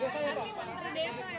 menteri desa ya pak